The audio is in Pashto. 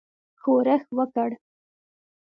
ښورښ وکړ.